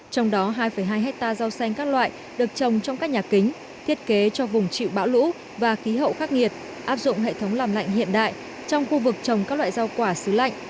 trong đó hai hai hectare rau xanh các loại được trồng trong các nhà kính thiết kế cho vùng chịu bão lũ và khí hậu khắc nghiệt áp dụng hệ thống làm lạnh hiện đại trong khu vực trồng các loại rau quả xứ lạnh